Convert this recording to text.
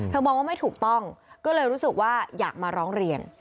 มองว่าไม่ถูกต้องก็เลยรู้สึกว่าอยากมาร้องเรียน